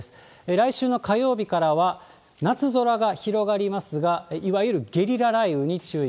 来週の火曜日からは夏空が広がりますが、いわゆるゲリラ雷雨に注意。